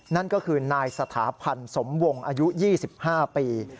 นั่นก็คือนายสถาพันธ์สมวงอายุ๒๕ปี